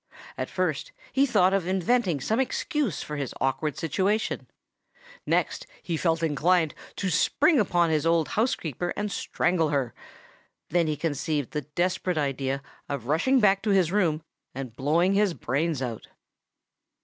At first he thought of inventing some excuse for his awkward situation;—next he felt inclined to spring upon his old housekeeper and strangle her;—then he conceived the desperate idea of rushing back to his room and blowing his brains out.